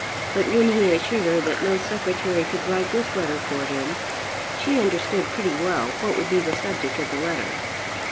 But when he assured her that no secretary could write this letter for him she understood pretty well what would be the subject of the letter.